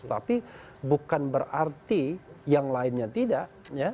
tapi bukan berarti yang lainnya tidak